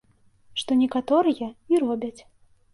Што некаторыя і робяць.